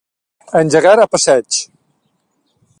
Engegar a passeig.